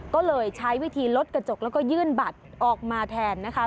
ก็เลยใช้วิธีลดกระจกแล้วก็ยื่นบัตรออกมาแทนนะคะ